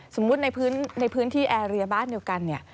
สมมุติในพื้นที่แอเรียบ้านเดียวกัน